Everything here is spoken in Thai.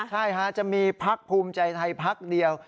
ใช่ค่ะจะมีพักภูมิใจไทยพักเดียว